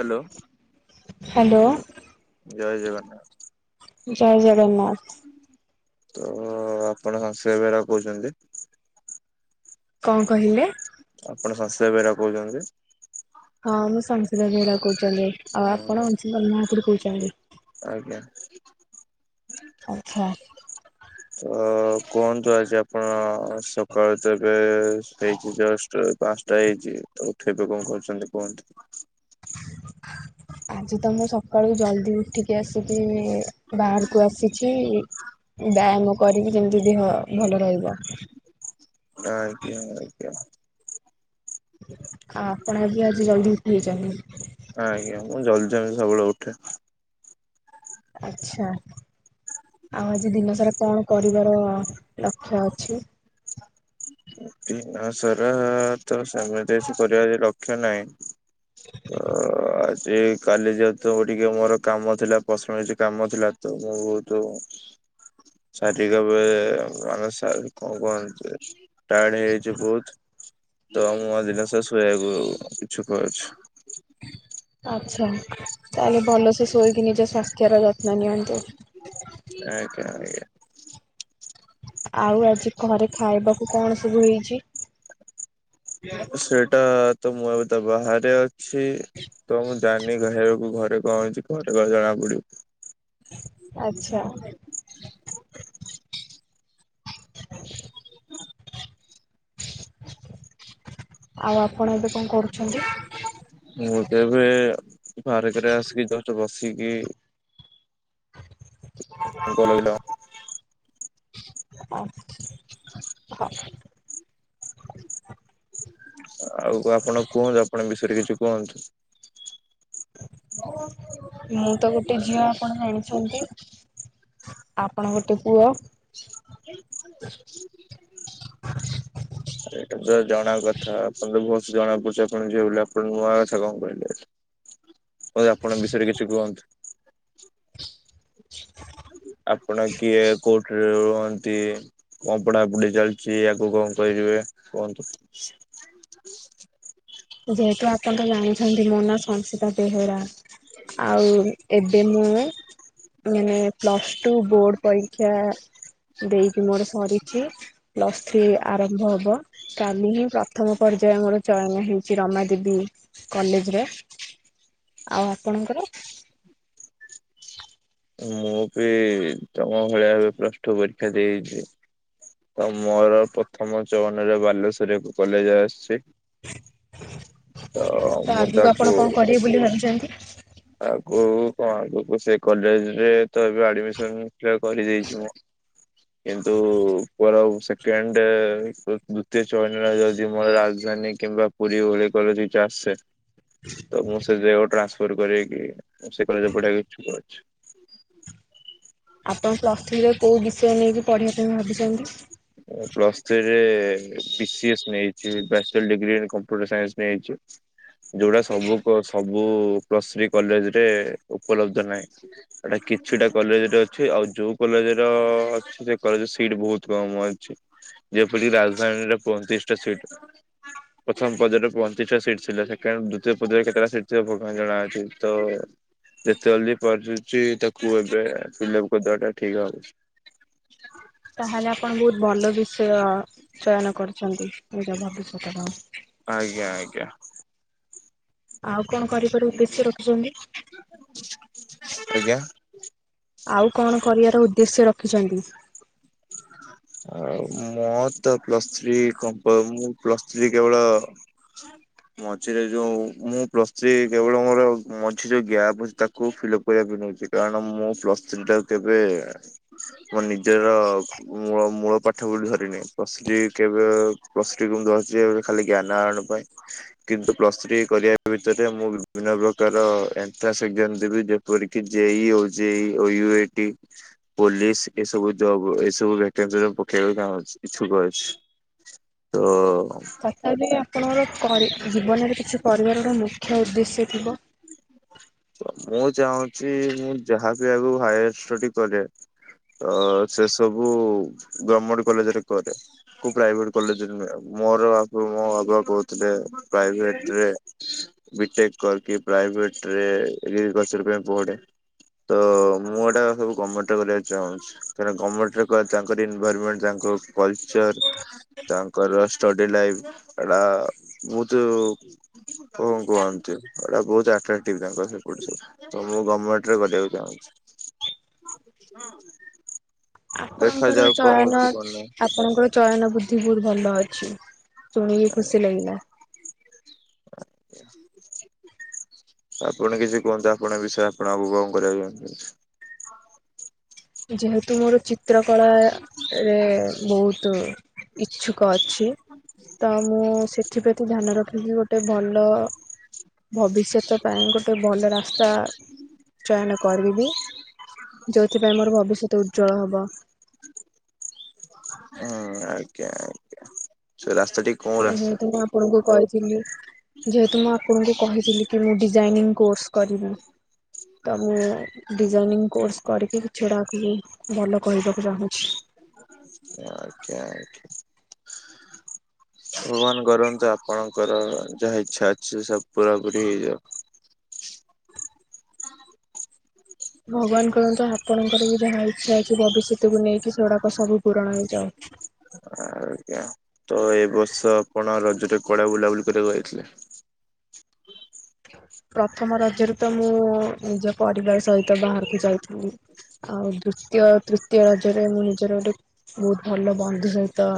Hello. Hello. ଜୟ ଜଗନ୍ନାଥ। ଜୟ ଜଗନ୍ନାଥ। ତ ଆପଣ ଶ୍ରେୟା ବେହେରା କହୁଚନ୍ତି? କଣ କହିଲେ? ଆପଣ ସଂଶିତା ବେହରା କହୁଚନ୍ତି? ହଁ ମୁଁ ସଂସିତ ବେହଡା କହୁଚନ୍ତି ଆଉ ଆପଣ ଅନୁଶୁମାନ ମହାକୁଡ଼ୁ କହୁଚନ୍ତି? ଆଜ୍ଞା। ଆଚ୍ଛା। ତ କୁହନ୍ତୁ ଆଜି ଆପଣ ସକାଳୁ ତ ଏବେ ପାଞ୍ଚଟା ହେଇଛି ଜଷ୍ଟ ପାଞ୍ଚଟା ହେଇଛି ତ ଉଠିକି ଏବେ କଣ କରୁଛନ୍ତି କୁହନ୍ତୁ? [unintelligible] ଆଜି ତ ମୁଁ ସକାଳୁ ଜଲଦି ଉଠିକି ଆସିକି ବାହାରକୁ ଆସିଛି। ବ୍ୟାୟାମ କରିବି ଯେମିତି ଦେହ ଭଲ ରହିବ। ଆଜ୍ଞା ଆଜ୍ଞା। ଆ ଆପଣ ବି ଆଜି ଜଲଦି ଉଠି ଯାଇଛନ୍ତି। ଆଜ୍ଞା ମୁଁ ଜଲ୍ଦି ଜଲ୍ଦୀ ସବୁବେଳେ ଉଠେ। ଆଛା। ଆଉ ଆଜି ଦିନ ସାରା କଣ କରିବାର ଲକ୍ଷ୍ୟ ଅଛି? ଦିନ ସାରା ତ ସେମିତି କିଛି କରିବାର ଲକ୍ଷ୍ୟ ନାହିଁ। ଅ ଅ ଆଜି କାଲି ଯେହେତୁ ଟିକେ ମୋର କାମ ଥିଲା ପର୍ସନାଲ୍ କିଛି ଥିଲା ତ ମୁଁ ବହୁତ ଶାରୀରିକ ବି ମାନେ ସାର୍ କଣ କହନ୍ତି? ଟାଏଡ ହେଇଯାଇଛି ବହୁତ ତ ମୁଁ ଆଜି ଦିନସାରା ଶୋଇବାକୁ ଇଛୁକ ଅଛି। ଆଛା ତାହେଲେ ଭଲସେ ଶୋଇକି ନିଜ ସ୍ୱାସ୍ଥ୍ୟର ଯତ୍ନ ନିଅନ୍ତୁ। ଆଜ୍ଞା ଆଜ୍ଞା। ଆଉ ଆଜି ଘରେ ଖାଇବାକୁ କଣ ସବୁ ହେଇଛି? ସେଇଟା ତ ମୁଁ ଏବେ ତ ବାହାରେ ଅଛି। ତ ମୁଁ ଜାଣିନି ଖାଇବାକୁ ଘରେ କଣ ଅଛି କଣ ପରେ ଜଣା ପଡିବ। ଆଚ୍ଛା। ଆଉ ଆପଣ ଏବେ କଣ କରୁଛନ୍ତି? ମୁଁ ତ ଏବେ ପାର୍କରେ ଆସିକି ଜଷ୍ଟ ବସିକି ଭଲ ହ ହ। ଆଉ ଆପଣ କୁହନ୍ତୁ ଆପଣଙ୍କ ବିଷୟରେ କିଛି କୁହନ୍ତୁ? ମୁଁ ତ ଗୋଟିଏ ଝିଅ ଆପଣ ଜାଣିଛନ୍ତି। ଆପଣ ଗୋଟେ ପୁଅ [unintelligible] ଏଇଟା ତ ଜଣା କଥା ଆପଣ ତ ବହୁତ ଜଣା ପଡୁଛି ଆପଣ ଝିଅ ବୋଲି ଆପଣ ନୂଆ କଥା କଣ କହିଲେ? ଆପଣଙ୍କ ବିଷୟରେ କିଛି କୁହନ୍ତୁ? [unintelligible] ଆପଣ କିଏ କୋଉଠି? ରୁହନ୍ତି କଣ ପଢାପଢି ଚାଲିଛି ଆଗକୁ କଣ କରିବେ କୁହନ୍ତୁ? ଯେହେତୁ ଆପଣ ତ ଜାଣିଛନ୍ତି ମୋ ନାଁ ସଂଶିତା ବେହେରା ଆଉ ଏବେ ମୁଁ ମାନେ ପ୍ଲସ୍ ଟୁ ବୋର୍ଡ ପରୀକ୍ଷା ଦେଇକି ମୋର ସରିଛି। ପ୍ଲସ୍ ଥ୍ରୀ ଆରମ୍ଭ ହବ କାଲି ହିଁ ପ୍ରଥମ ପର୍ଯ୍ୟାୟ ମୋର ଚୟନ ହେଇ ରମାଦେବୀ କଲେଜରେ ଆଉ ଆପଣଙ୍କର? ମୁଁ ବି ତମ ଭଳିଆ ଏବେ ପ୍ଲସ ଟୁ ପରୀକ୍ଷା ଦେଇଛି। ତ ମୋର ପ୍ରଥମ ଚୟନରେ ବାଲେଶ୍ଵର ଏକ କଲେଜ ଆସିଛି। ତ ମୁଁ ତାକୁ କିଏ ବୋଲି ଭାବୁଛନ୍ତି? ଆଗକୁ କଣ ଆଗକୁ ସେ କଲେଜରେ ତ ଏବେ ଆଡମିସନ କରିଦେଇଛି ମୁଁ କିନ୍ତୁ ମୋର ଆଉ ସେକେଣ୍ଡ ଦ୍ଵିତୀୟ ଚୟନରେ ଯଦି ମୋର ରାଜଧାନୀ କିମ୍ବା ପୁରୀ ଭଳି କଲେଜ କିଛି ଆସେ ତ ମୁଁ ସେ ଜେଗାକୁ ଟ୍ରାନ୍ସଫର କରି ସେ କଲେଜରେ ପଢିବାକୁ ଇଛୁକ ଅଛି। ଆପଣ ପ୍ଲସ ଥ୍ରିରେ କୋଉ ବିଷୟ ନେଇକି ପଢିବା ପାଇଁ ଭାବିଛନ୍ତି? ମୁଁ ପ୍ଲସ୍ ଥ୍ରୀରେ ପି ସି ଏସ୍ ନେଇଚି ବ୍ୟାଚଲର ଡିଗ୍ରୀରେ କମ୍ପୁଟର ସାଇନ୍ସ ନେଇଛି। ଯୋଉଟା ସବୁ ପ ସବୁ ପ୍ଲସ ଥ୍ରି କଲେଜରେ ଉପଲବ୍ଧ ନାହିଁ। ଏଟା କିଛିଟା କଲେଜରେ ଅଛି ଆଉ ଯୋଉ କଲେଜ ର ଅଛି ସେ କଲେଜରେ ସି ସିଟ୍ ବୋହୁତ୍ କମ୍ ଅଛି, ଯେପରିକି ରାଜଧାନୀର ପଇଁ ତିରିଶ୍ ଟା ସିଟ୍ ପ୍ରଥମ ପର୍ଯୟର ପଇଁତିରିଶ୍ ଟା ସିଟ୍ ଥିଲା, ସେକେଣ୍ଡ ଦ୍ଵିତୀୟ ପର୍ଯୟରେ କେତେଟା ସିଟ୍ ଥିବ ଭଗବାନ ଜଣାଅଛି ତ ସେ ଚାଲି ପାରୁଛି, ତାକୁ ଏବେ ଫିଲିପ୍ କରିଦବା ଟା ଠିକ୍ ହବ। ତା ହେଲେ ଆପଣ ବୋହୁତ୍ ଭଲ ବିଷୟ ଚୟନ କରୁଛନ୍ତି। ନିଜ ଭବିଷ୍ୟତ ପାଇଁ। ଆଜ୍ଞା, ଆଜ୍ଞା। ଆଉ କଣ କର ବାର ଉଦ୍ଦେଶ୍ୟ ରଖିଛନ୍ତି? ଆଜ୍ଞା। ଆଉ କଣ କରିବାର ଉଦ୍ଦେଶ୍ୟ ରଖିଛନ୍ତି? [unintelligible] ଆ ମୋର ତ ପ୍ଲସ୍ ଥ୍ରୀ କ ମ୍ପା ମୁଁ ପ୍ଲସ୍ ଥ୍ରୀ କେବଳ [unintelligible] ମଝିରେ ଯେଉଁ ମୁଁ ପ୍ଲସ୍ ଥ୍ରି କେବଳ ମୋର ମଝି ରେ ଯେଉଁ ଗ୍ୟାପ୍ ଅଛି ତାକୁ ଫିଲ୍ଅପ୍ କରିବାକୁ ନେଉଛି। କାରଣ ମୁଁ ପ୍ଲସ୍ ଥ୍ରୀଟା ତେବେ ମୋ ନିଜର ମୂଳ ମୂଳ ପାଠ ବୋଲି ଧରିନି। ପ୍ଲସ୍ ଥ୍ରୀ କେବେ ପ୍ଲସ୍ ଥ୍ରୀ କୁ ମୁଁ ଧରିଛି ଏବେ। ଖାଲି ଜ୍ଞାନା ଆହାରଣ ପାଇଁ କିନ୍ତୁ ପ୍ଲସ ଥ୍ରୀ କରିବା ଭିତରେ ମୁଁ ବିଭିନ୍ନ ପ୍ରକାର ଏଣ୍ଟ୍ରାନ୍ସ ଏକ୍ଜାମ ଦେବି ପରିକି ଜେଇ, ଓଜେଇ, ଓ ୟୋ ଟି, ପୋଲିସ୍ ଏସବୁ ଜବ୍ ଏ ସବୁ ଭାକେନ୍ସି ଗୁଡା ପକେଇବାକୁ ଚାଁହ୍ନୁଛି, ଇ୍ଛୁକ ଅଛି ତ ତଥାପି ଆପଣଙ୍କର କରି ଜୀବନରେ କିଛି କରିବାର ମୁଖ୍ୟ ଉଦ୍ଦେଶ୍ୟ ଥିବ? ମୁଁ ଚାହୁଁଛି ମୁଁ ଯାହାବି ଆଗକୁ ହାୟାର୍ ଷ୍ଟଡି କରେ ଅ ସେ ସବୁ ଗୋର୍ମେଟ୍ କଲେଜରେ କରେ। କୁ ପ୍ରାଇଭେଟ୍ କଲେଜରେ ନୂହେଁ। ମୋର ବାପା ମୋ ବାପା କହୁଥିଲେ ପ୍ରାଇଭେଟ୍ ରେ ବିଟେକ୍ କରି କି ପ୍ରାଇଭେଟ୍ ରେ ରି ୟୁନିଭର୍ସଟି ପାଇଁ ପଢେ। ତ ମୁଁ ଏଇଟା ସବୁ ଗମେଣ୍ଟ ରେ କରିବାକୁ ଚାହୁଁଛି। କାରଣ ଗର୍ମେଣ୍ଟ କହ ତାଙ୍କର ଇନଭର୍ମେଣ୍ଟ ତାଙ୍କ କଲ୍ ଚର୍ ତାଙ୍କର ଷ୍ଟଡି ଲାଇଫ୍ ଏଟା ବୋହୁତୁ କଣ କୁହନ୍ତି ଏଇଟା ବହୁତ୍ ଆଟ୍ରା ପିଲା ଙ୍କର ସେ ପଟେ ସବୁ। ତ ମୁଁ ଗୋର୍ମେଣ୍ଟ ରେ କରିବାକୁ ଚାହୁଁଛି। ହଁ। ଆପଣଙ୍କର ଚୟନ, ଆପଣଙ୍କର ଚୟନ ବୁଦ୍ଧି ବୋହୁତ୍ ଭଲ ଅଛି। ଶୁଣିକି ଖୁସି ଲାଗିଲା। [unintelligible] ଆପଣ କିଛି କୁହନ୍ତୁ, ଆପଣଙ୍କ ବିଷୟରେ ଆପଣ ଆଗକୁ କଣ କରିବାକୁ ଚାହୁଁଛନ୍ତି? ଯେହେତୁ ମୋର ଚି ଚିତ୍ର କଳା ବୋହୁତୁ ଇଚ୍ଛୁକ ଅଛି। ତ, ମୁଁ ସେ ଏଥିପତି ଧ୍ୟାନ ରଖିକି, ଗୋଟେ ଭଲ ଭବିଷ୍ୟତ ପାଇଁ ଗୋଟେ ଭଲ ରା ସ୍ତା, ଚୟନ କରିବି। ଯଉଥି ଉଥି, ପାଇଁ ମୋର ଭବିଷ୍ୟତ ଉଜ୍ଜ୍ୱଳ ହବ। ହୁଁ, ଆଜ୍ଞା, ଆଜ୍ଞା। ସେ ରାସ୍ତା ଠିକ୍ ହେତୁ ମୁଁ ଆପଣଙ୍କୁ କହିଥିଲି ଯେହେତୁ ମୁଁ ଆପଣଙ୍କୁ କହିଥିଲି କି ମୁଁ ଡିଜାଇନିଂ କୋର୍ସ କରିବି। ତ ମୁଁ ଡିଜାଇନିଂ କୋର୍ସ କରିକି କିଛି ଗୋଟେ ଭଲ କରିବାକୁ ଚାହୁଁଛି। ଆଜ୍ଞା, ଆଜ୍ଞା। ଭଗବାନ କରନ୍ତୁ ଆପଣଙ୍କର ଯାହା ଇଚ୍ଛା ଅଛି ସବୁ ପୁରା ପୁରୀ ହେଇଯାଉ। ଭଗବାନ୍ କରହନ୍ତୁ ଆପଣଙ୍କର ବି ଯାହା ଇଚ୍ଛା ଅଛି ଭବିଷ୍ୟତକୁ ନେଇକି ସେ ଗୁଡାକ ସବୁ ପୂରଣ ହେଇଯାଉ। ଆ ଆଜ୍ଞା। ତ ଏ ବର୍ଷ ଆପଣ ରଜରେ କୁଆଡେ ବୁଲା, ବୁଲି କରି ବାକୁ ଯାଇଥିଲେ? ପ୍ରଥମ ରଜରେ, ତ ମୁଁ ନିଜ ପରିବାର ସହିତ ବାହାରକୁ ଯାଇଥିଲି। ଆଉ ଦୃତୀୟ ତୃତୀୟ ରଜରେ ମୁଁ ନିଜର ଗୋଟେ ବହୁତ ଭଲ ବନ୍ଧୁ ସହିତ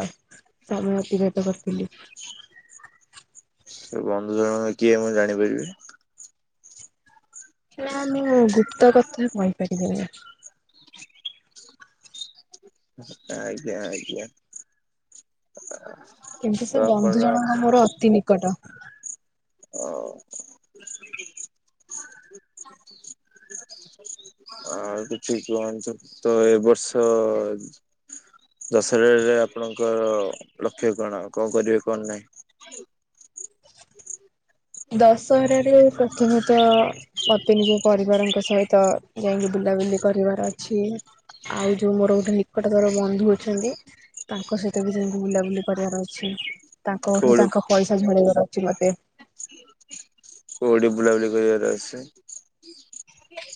ସମୟ ଅତିବାହିତ କରିଥିଲି। ସେ ବନ୍ଧୁ ଜଣଙ୍କ କିଏ ମୁଁ ଜାଣିପାରିବି? ନା ମୁଁ ଗୁପ୍ତ କଥା କହିପାରିବିନି। ଆ, ଆଜ୍ଞା, ଆଜ୍ଞା ଆ, କିନ୍ତୁ ସେ ବନ୍ଧୁ ଜଣଙ୍କ ମୋର ଅତି ନିକଟ। ଓ। ଆଉ କିଛି କୁହନ୍ତୁ ତ ଏ ବର୍ଷ ଦଶରାରେ ଆପଣଙ୍କର ଲକ୍ଷ୍ୟ କଣ, କଣ କରିବେ କଣ ନାହିଁ? ଦଶହରାରେ ପ୍ରଥମତଃ ମୋତେ ନିଜ ପରିବାରଙ୍କ ସହିତ ଯାଇକି ବୁଲାବୁଲି କରିବାର ଅଛି। ଆଉ ଯୋଉ ମୋର ଗୋଟେ ନିକଟତର ବନ୍ଧୁ ଅଛନ୍ତି। ତାଙ୍କ ସହିତ ବି ଯାଇକି ବୁଲାବୁଲି କରିବାର ଅଛି। ତାଙ୍କଠୁ କୋଉଠି ତାଙ୍କ ପଇସା ଝଡେଇବାର ଅଛି ମୋତେ। କୋଉଠି ବୁଲାବୁଲି କରିବାର ଅଛି?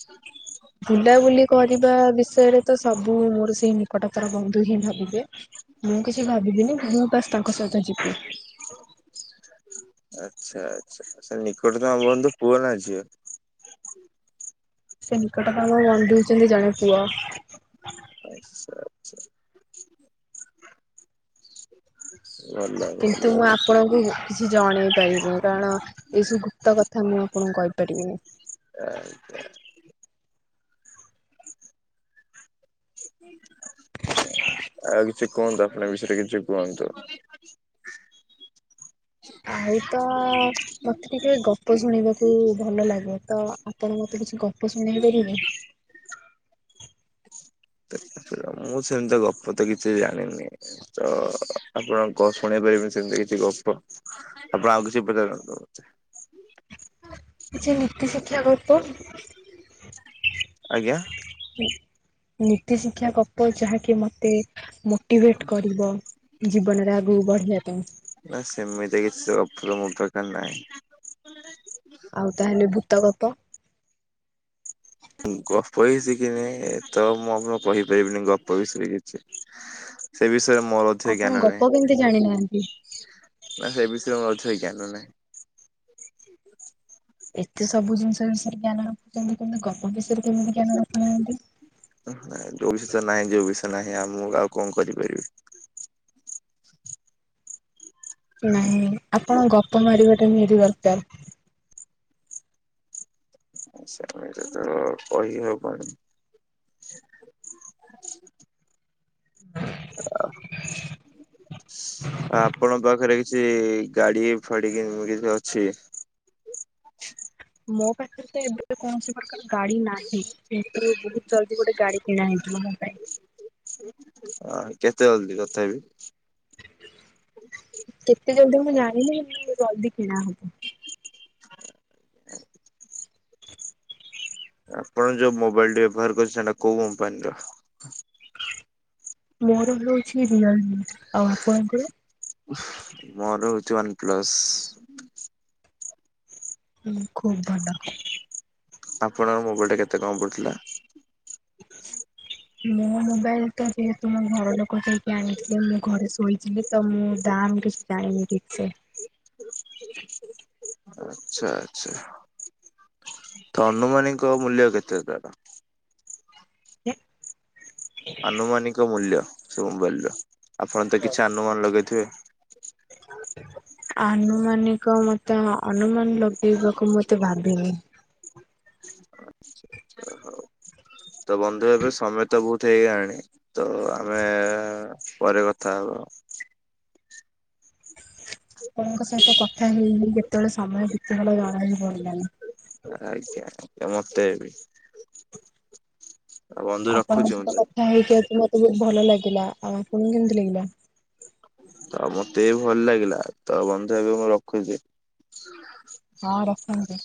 ହ ବୁଲାବୁଲି କରିବା ବିଷୟରେ ତ ସବୁ ମୋର ସେଇ ନିକଟତର ବନ୍ଧୁ ହିଁ ଭାବିବେ। ମୁଁ କିଛି ଭାବିବିନି ମୁଁ ବାସ୍ ତାଙ୍କ ସହିତ ଯିବି। ଆଚ୍ଛା, ଆଚ୍ଛା, ସେ ନିକଟତମ ବନ୍ଧୁ ପୁଅ ନା ଝିଅ? ସେ ନିକଟତମ ବନ୍ଧୁ ହଉଛନ୍ତି ଜଣେ ପୁଅ। [inaudible] ଭଲ ଭଲ କିନ୍ତୁ ମୁଁ ଆ ଆପଣଙ୍କୁ ମୁଁ କିଛି ଜଣେଇ ପାରିବିନି। କାରଣ ଏଇ ସବୁ ଗୁପ୍ତ କଥା ମୁଁ ଆପଣଙ୍କୁ କହିପାରିବିନି। ଆ [inaudible] ଆଉ କିଛି କୁହନ୍ତୁ, ଆପଣଙ୍କ ବିଷୟରେ କିଛି କୁହନ୍ତୁ। ଆଉ ତ ମୋତେ ଟିକେ ଗପ ଶୁଣିବାକୁ ଭଲ ଲାଗେ। ତ ଆ ଆପଣ ମୋତେ କିଛି ଗପ ଶୁଣେଇ ପାରିବେନି? [inaudible] ମୁଁ ସେମିତି ଗପ ତ କିଛି ଜାଣିନି। ତ ଆପଣଙ୍କୁ କ-ଶୁଣେଇ ପାରିବି ସେମିତି କିଛି ଗପ ଆପଣ ଆଉ କିଛି ପଚାରନ୍ତୁ। ହୁଁ କିଛି ନୀତିଶିକ୍ଷା ଗପ। ଆଜ୍ଞା। ନୀ ନୀତି ଶିକ୍ଷା ଗପ ଯାହାକି ମୋତେ ମୋଟିଭେଟ୍ କରିବ। ଜୀବନରେ ଆଗକୁ ବଢିବା ପାଇଁ। ନା ସେମିତି କିଛି [unintelligible] ମୋର ଦରକାର ନାହିଁ। ଆଉ ତାହେଲେ ଭୂତ ଗପ। ଗପ ବି ଶିଖିନି ତ ମୁଁ ଆପଣଙ୍କୁ କହିପାରିବିନି ଗପ ବିଷୟରେ କିଛି। ସେ ବିଷୟରେ ମୋର ଅଧିକ ଆପଣ ଜ୍ଞାନ ନାହିଁ ଗପ କେମିତି ଜାଣିନାହାନ୍ତି? ନା ସେ ବିଷୟରେ ମୋର ଅଧିକ ଜ୍ଞାନ ନାହିଁ। ଏତେ ସବୁ ଜିନିଷ ବିଷୟରେ ଜ୍ଞାନ ରଖୁଛନ୍ତି। କିନ୍ତୁ ଗପ ବିଷୟରେ କେମିତି ଜ୍ଞାନ ରଖୁ ନାହାନ୍ତି? ଓ ହୋ ନା ଯୋଉ ବିଷୟରେ ନାହିଁ ଯେଉ ବିଷୟ ନାହିଁ ଆଉ ମୁଁ ଆଉ କଣ କରିପାରିବି। ନାହିଁ, ଆପଣ ଗପ ମାରିବାଟା ନିହାତି ଦରକାର। [inaudible] ଅ, ପଳେଇଥିଲ କୁଆଡେ? ହୁଁ ଆପଣଙ୍କ ପାଖରେ କିଛି ଗାଡି ଫାଡି କି ଉଁ, କିଛି ଅଛି? ମୋ ପାଖରେ ତ ଏବେ କୌଣସି ପ୍ରକାର ଗାଡି ନାହିଁ। କିନ୍ତୁ ବହୁତ ଜଲ୍ଦି ଗୋଟେ ଗାଡି କିଣା ହେଇଯିବ ମୋ ପାଇଁ। ଅ କେତେ ଜଲଦି ତଥାପି? କେତେ ଜଲଦି ମୁଁ ଜାଣିନି [unintelligible] ଜଲଦି କିଣାହବ। ଆପଣ ଯୋଉ ମୋବାଇଲ ଟି ବ୍ୟବହାର କରୁଛନ୍ତି ସେଟା କୋଉ କମ୍ପାନୀର? ମୋର ହଉଛି ରିୟଲମି ଆଉ ଆପଣଙ୍କର? ମୋର ହଉଛି ୱାନ ପ୍ଲସ। ହୁଁ ଖୁଵ୍ ଭଲ। ଆପଣଙ୍କ ମୋବାଇଲଟା କେତେ କଣ ପଡ଼ିଥିଲା? [inaudible] ମୋ ମୋବାଇଲ ଟା ଯେହେତୁ ମୋ ଘର ଲୋକ ଯାଇକି ଆଣିଥିଲେ ମୁଁ ଘରେ ଶୋଇଥିଲି ତ ମୁଁ ଦାମ୍ କିଛି ଜାଣିନି ଠିକ୍ ସେ। ଆଚ୍ଛା ଆଛା ତ ଅନୁମାନୀଙ୍କ ମୂଲ୍ୟ କେତେ ତାର? [inaudible] ଆନୁମାନିକ ମୂଲ୍ୟ ସବୁ ମୋବାଇଲର ଆପଣ ତ କିଛି ଆନୁମାନ ଲଗେଇଥିବେ? [inaudible] ଆନୁମାନିକ ମତେ ଅନୁମାନ ଲଗେଇବାକୁ ମୁଁ ଏତେ ଭାବିନି। ତ ବନ୍ଧୁ ଏବେ ସମୟ ତ ବହୁତ ହେଇଗଲାଣି ତ ଆମେ- ପରେ କଥା ହବା। ଆପଣଙ୍କ ସହିତ କଥା ହେଇ ହେଇ କେତେବେଳେ ସମୟ ବିତିଗଲା ଜଣା ହି ପଡ଼ିଲାଣି। ଆଜ୍ଞା ମତେ ବି। ଆଉ ବନ୍ଧୁ ଆପଣଙ୍କ ରଖୁଛି ମୁଁ ସହିତ କଥା ହେଇକି ଆଜି ମତେ ବହୁତ ଭଲ ଲାଗିଲା। ଆଉ ଆପଣଙ୍କୁ କେମିତି ଲାଗିଲା? ତ ମତେ ବି ଭଲ ଲାଗିଲା ତ ବନ୍ଧୁ ଏବେ ମୁଁ ରଖୁଛି। ହଁ ରଖନ୍ତୁ।